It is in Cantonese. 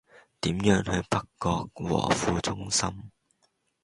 點樣去北角和富中心